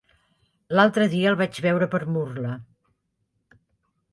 L'altre dia el vaig veure per Murla.